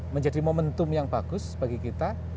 menjadi momentum yang bagus bagi kita